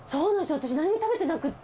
私何も食べてなくて。